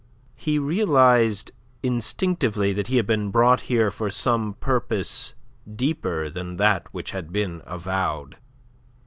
He realized instinctively that he had been brought here for some purpose deeper than that which had been avowed.